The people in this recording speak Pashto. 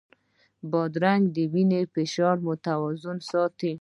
بادرنګ د وینې فشار متوازن ساتي.